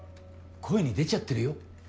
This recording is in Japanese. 声に出ちゃってるよ。